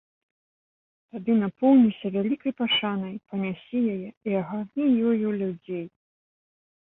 Тады напоўніся вялікай пашанай, панясі яе і агарні ёю людзей.